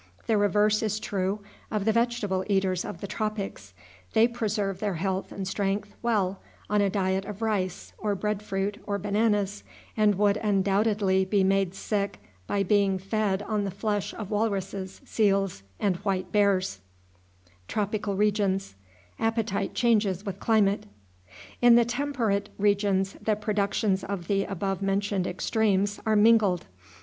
The reverse is true of the vegetable eaters of the tropics. They preserve their health and strength well on a diet of rice, or bread fruit, or bananas, and would undoubtedly be made sick by being fed on the flesh of walruses, seals, and white bears. In the temperate regions the productions of the above mentioned extremes are mingled.